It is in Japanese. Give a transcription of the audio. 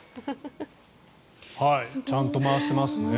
ちゃんと回してますね。